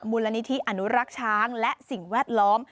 มูลนิธิอนุรักษ์ช้างและสิ่งแวดล้อม